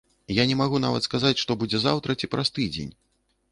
Я не магу нават сказаць, што будзе заўтра ці праз тыдзень.